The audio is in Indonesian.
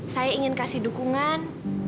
saya ingin kasih dukungan